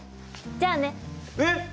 じゃあね。えっ！